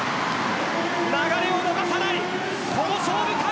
流れを逃さない、この勝負勘。